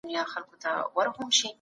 کمپيوټر فضا څېړي.